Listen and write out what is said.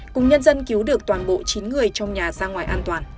cùng nhân dân cứu được toàn bộ chín người trong nhà ra ngoài an toàn